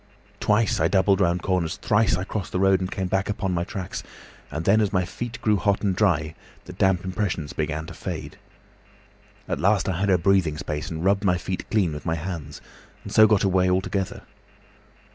"Twice I doubled round corners, thrice I crossed the road and came back upon my tracks, and then, as my feet grew hot and dry, the damp impressions began to fade. At last I had a breathing space and rubbed my feet clean with my hands, and so got away altogether.